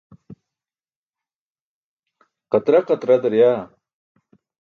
Qatra qatra daryaa.